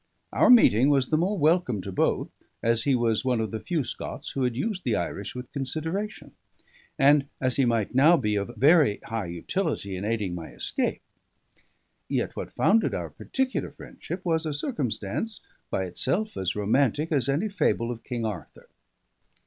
Our meeting was the more welcome to both, as he was one of the few Scots who had used the Irish with consideration, and as he might now be of very high utility in aiding my escape. Yet what founded our particular friendship was a circumstance, by itself as romantic as any fable of King Arthur.